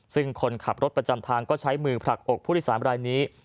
ซึ่งคนขับรถประจำทางก็ใช้มือผลักอกผู้โดยสารรายนี้